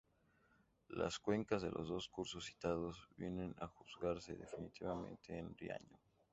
Las cuencas de los dos cursos citados vienen a juntarse definitivamente en Riaño.